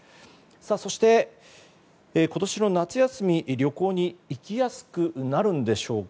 そして今年の夏休み、旅行に行きやすくなるんでしょうか。